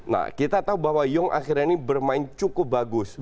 nah kita tahu bahwa young akhirnya ini bermain cukup bagus